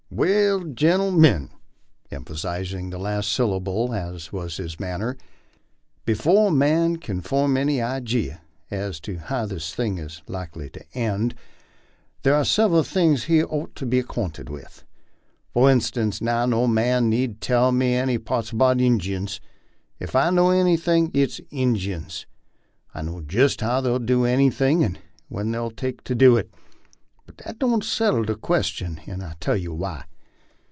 "Well, gentlemen," emphasizing the last syllable as was his manner, "be fore a man kin form any ijee as to how this thing is likely to end, thar are sev eral things he ort to be acquainted with. For instance, now, no man need tell me any p'ints about Injuns. Ef I know anything, it's Injuns. I know jest how they'll do anything and when they'll take to do it ; but that don't settle the question, and I'll tell you why.